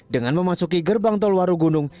dengan memasuki gerbang tol warugunung